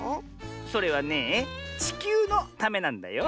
それはねえちきゅうのためなんだよ。